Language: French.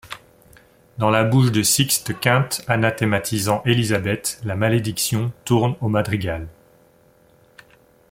Dans la bouche de Sixte-Quint anathématisant Élisabeth, la malédiction tourne au madrigal.